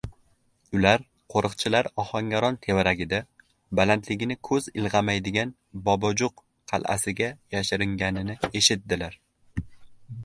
Ular qo‘riqchilar Ohangaron tevaragida balandligini koʻz ilgʻamaydigan Bobojuq qalʼasiga yashiringanini eshitdilar.